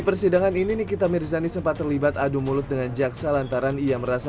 persidangan ini nikita mirzani sempat terlibat adu mulut dengan jaksa lantaran ia merasa